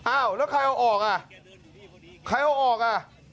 อ้าวแล้วใครเอาออกอ่ะใครเอาออกอ่ะ